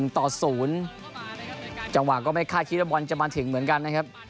ต่อ๐จังหวะก็ไม่คาดคิดว่าบอลจะมาถึงเหมือนกันนะครับ